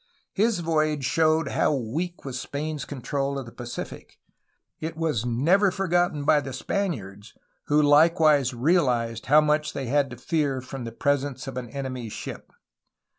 His voyage showed how weak was Spain's control of the Pacific, and it was never forgotten by the Spaniards, who Ukewise realized how much they had to fear from the presence of an enemy's ship.